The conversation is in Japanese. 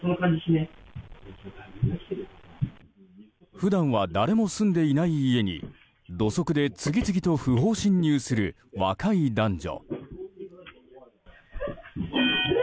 普段は誰も住んでいない家に土足で次々と不法侵入する若い男女。